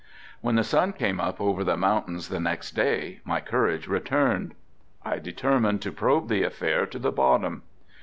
When the sun came up over the mountains the next day my courage returned. I determined to probe the affair to the bottom.